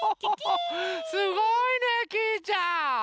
すごいねきいちゃん！